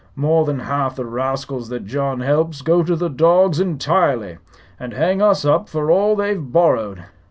"More than half the rascals that John helps go to the dogs entirely, and hang us up for all they've borrowed."